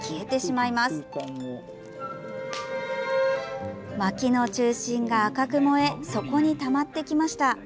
まきの中心が赤く燃え底にたまってきました。